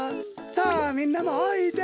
さあみんなもおいで！